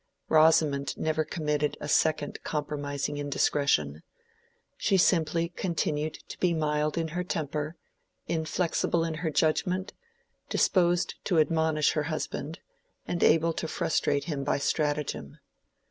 Rosamond never committed a second compromising indiscretion. She simply continued to be mild in her temper, inflexible in her judgment, disposed to admonish her husband, and able to frustrate him by stratagem.